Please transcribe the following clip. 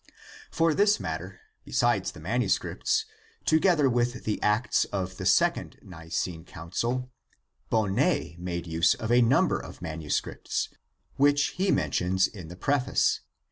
For this matter, besides the manuscripts, together with the acts of the second Nicene Council, Bon net made use of a number of manuscripts, which he mentions in the preface.